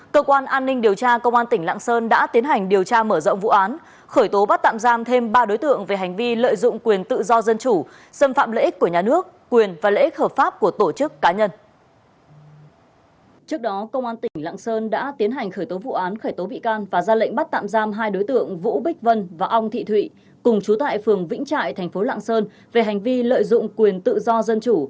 cơ quan an ninh điều tra công an tỉnh lạng sơn đã tiến hành điều tra mở rộng vụ án khởi tố bắt tạm giam thêm ba đối tượng về hành vi lợi dụng quyền tự do dân chủ